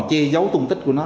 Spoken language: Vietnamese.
chê giấu tung tích của nó